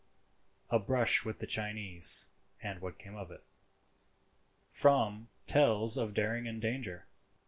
*A BRUSH WITH THE CHINESE,* *AND WHAT CAME OF IT.* *FROM "TALES OF DARING AND DANGER."